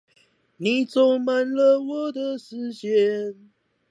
你走慢了我的時間